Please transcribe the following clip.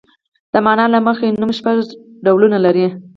د مانا له مخې نوم شپږ ډولونه لري.